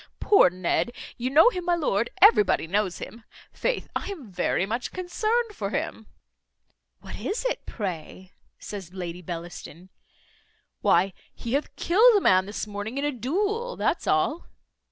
Poor Ned. You know him, my lord, everybody knows him; faith! I am very much concerned for him." "What is it, pray?" says Lady Bellaston. "Why, he hath killed a man this morning in a duel, that's all."